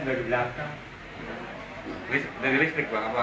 dari listrik pak